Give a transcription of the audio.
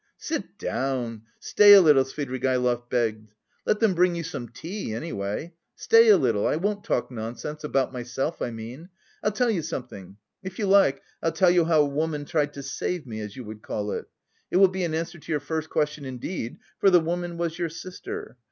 Sit down, stay a little!" Svidrigaïlov begged. "Let them bring you some tea, anyway. Stay a little, I won't talk nonsense, about myself, I mean. I'll tell you something. If you like I'll tell you how a woman tried 'to save' me, as you would call it? It will be an answer to your first question indeed, for the woman was your sister.